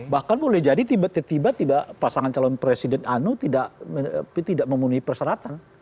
bahkan boleh jadi tiba tiba pasangan calon presiden anu tidak memenuhi persyaratan